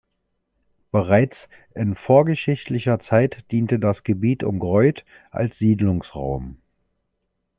Bereits in vorgeschichtlicher Zeit diente das Gebiet um Greuth als Siedlungsraum.